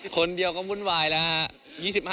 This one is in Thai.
คนเดียวก็วุ่นวายแล้วฮะ